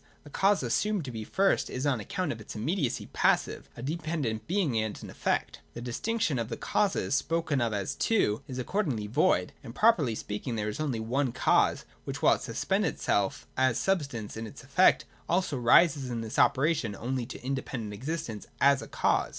The cause assumed to be first is on account of its immediacy passive, a dependent being, and an effect. The dis tinction of the causes spoken of as two is accordingly void : and properly speaking there is only one cause, which, while it suspends itself (as substance) in its effect, also rises in this operation only to independent exist ence as a cause.